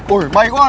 ủa may quá